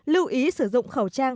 lưu ý sử dụng khẩu trang